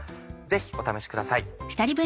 ぜひお試しください。